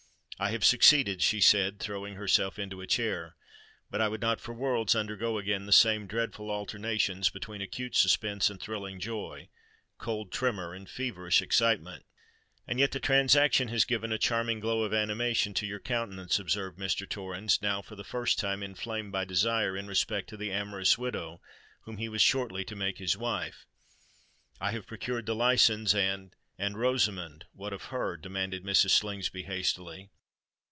"I have succeeded," she said, throwing herself into a chair. "But I would not for worlds undergo again the same dreadful alternations between acute suspense and thrilling joy—cold tremor and feverish excitement." "And yet the transaction has given a charming glow of animation to your countenance," observed Mr. Torrens, now for the first time inflamed by desire in respect to the amorous widow whom he was shortly to make his wife. "I have procured the license; and——" "And Rosamond—what of her?" demanded Mrs. Slingsby hastily.